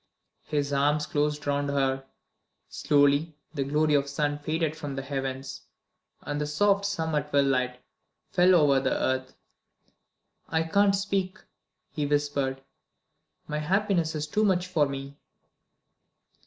His arms closed round her. Slowly, the glory of the sun faded from the heavens, and the soft summer twilight fell over the earth. "I can't speak," he whispered; "my happiness is too much for me."